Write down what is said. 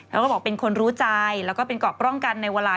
แล้วก็บอกเป็นคนรู้ใจแล้วก็เป็นเกาะป้องกันในเวลา